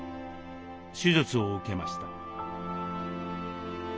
手術を受けました。